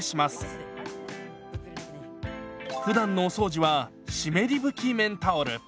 ふだんのお掃除は湿り拭き綿タオル。